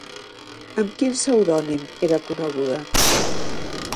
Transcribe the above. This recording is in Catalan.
Amb quin pseudònim era coneguda?